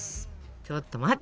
ちょと待って。